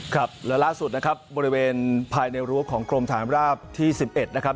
ครับแล้วล่าสุดนะครับบริเวณภายในรวบของกรมฐานราชที่สิบเอ็ดนะครับ